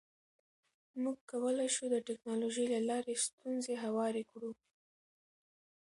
موږ کولی شو د ټکنالوژۍ له لارې ستونزې هوارې کړو.